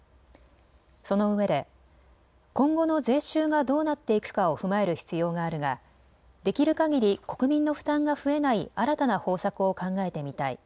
そのうえで今後の税収がどうなっていくかを踏まえる必要があるができるかぎり国民の負担が増えない新たな方策を考えてみたい。